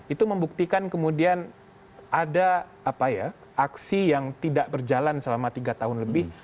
itu membuktikan kemudian ada aksi yang tidak berjalan selama tiga tahun lebih